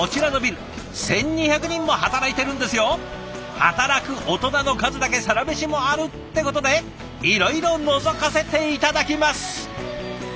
働くオトナの数だけサラメシもあるってことでいろいろのぞかせて頂きます！